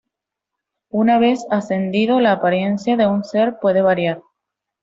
Una vez ascendido, la apariencia de un ser puede variar.